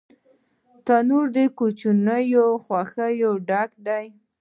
تنور د کوچنیانو له خوښۍ ډک دی